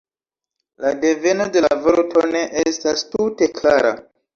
La deveno de la vorto ne estas tute klara.